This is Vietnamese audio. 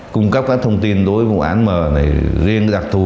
cung cấp các thông tin đối với vụ án mở này riêng đặc thù